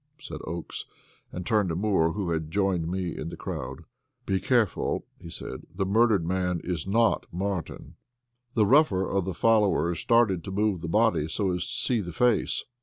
said Oakes, and turned to Moore, who had joined me in the crowd. "Be careful," he said. "The murdered man is not Martin." The rougher of the followers started to move the body, so as to see the face.